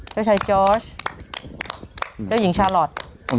เจ้าชายจอร์สเจ้าหญิงชาลอท